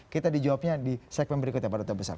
kita dijawabnya di segmen berikutnya pak duta besar